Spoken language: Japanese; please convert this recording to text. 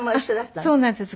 そうなんです。